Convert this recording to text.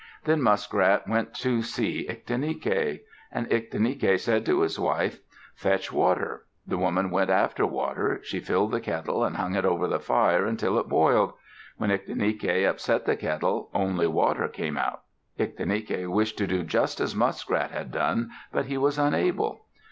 '" Then Muskrat went to see Ictinike. And Ictinike said to his wife, "Fetch water." The woman went after water. She filled the kettle and hung it over the fire until it boiled. When Ictinike upset the kettle, only water came out. Ictinike wished to do just as Muskrat had done, but he was unable.